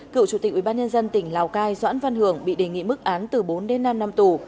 cựu chủ tịch ubnd tỉnh lào cai doãn văn hường bị đề nghị mức án từ bốn đến năm năm tù